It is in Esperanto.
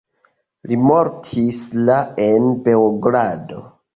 Li mortis la en Beogrado.